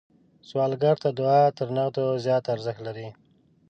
سوالګر ته دعا تر نغدو زیات ارزښت لري